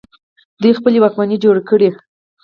دوی خپله واکمني جوړه کړه